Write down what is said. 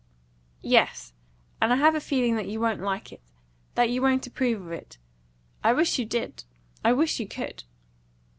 "Yes; and I have a feeling that you won't like it that you won't approve of it. I wish you did I wish you could!"